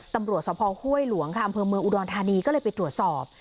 ตำรวจสภห้วยหลวงค่ะอำเภอเมืองอุดรธานีก็เลยไปตรวจสอบ